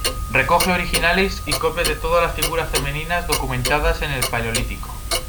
Recoge originales y copias de todas las figuras femeninas documentadas en el Paleolítico.